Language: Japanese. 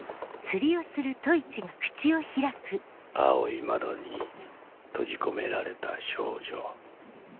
青い窓に閉じ込められた少女。